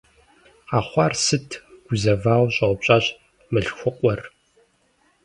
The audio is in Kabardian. Къэхъуар сыт?- гузэвауэ, щӏэупщӏащ мылъхукъуэр.